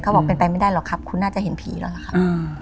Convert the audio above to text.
บอกเป็นไปไม่ได้หรอกครับคุณน่าจะเห็นผีแล้วล่ะครับ